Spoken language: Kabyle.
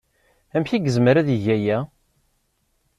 Amek ay yezmer ad yeg aya?